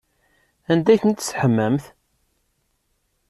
Anda ay ten-id-tesseḥmamt?